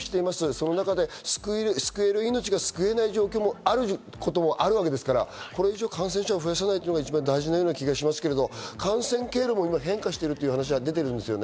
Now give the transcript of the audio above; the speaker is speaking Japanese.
その中で救える命が救えない状況もあるということもあるわけですから、これ以上、感染者を増やさないことが一番大事な気がしますけど、感染経路も今、変化しているんですよね。